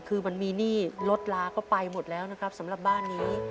คือมันมีหนี้รถลาก็ไปหมดแล้วนะครับสำหรับบ้านนี้